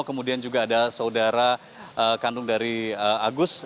kemudian juga ada saudara kandung dari agus